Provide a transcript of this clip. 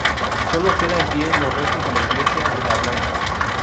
Sólo queda en pie los restos de la iglesia de la Blanca.